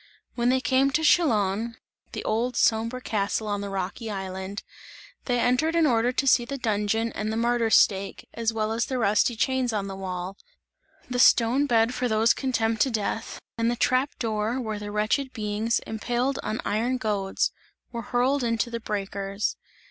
When they came to Chillon, (the old sombre castle on the rocky island) they entered in order to see the dungeon and the martyr's stake, as well as the rusty chains on the wall; the stone bed for those condemned to death and the trap door where the wretched beings impaled on iron goads, were hurled into the breakers.